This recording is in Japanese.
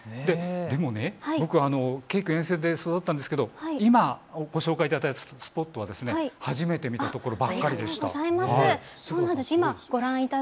僕、京急沿線で育ったんですけれども今、ご紹介いただいたスポットは初めて見たところばっかりでした。